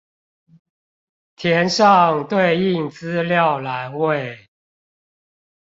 填上對應資料欄位